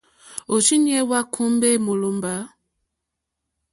Òrzìɲɛ́ hwá kùmbè mólòmbá.